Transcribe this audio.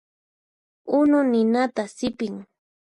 Unu ninata sipin.